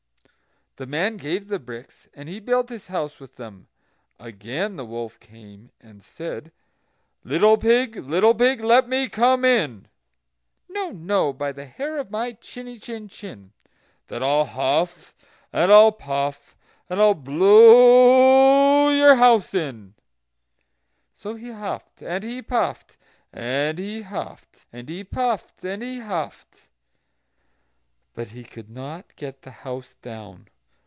The man gave the bricks, and he built his house with them. Again the wolf came, and said: "Little pig, little pig, let me come in." "No, no, by the hair of my chiny chin chin." "Then I'll huff, and I'll puff, and I'll blow your house in." So he huffed, and he puffed, and he huffed, and he puffed, and he puffed and huffed; but he could not get the house down.